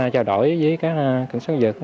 chào đổi với các cảnh sát dựt